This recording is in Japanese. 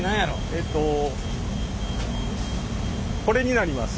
えっとこれになります。